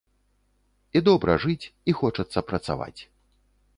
І добра жыць, і хочацца працаваць.